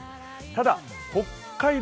ただ、北海道